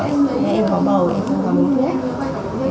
em có bầu em không có mũi thuốc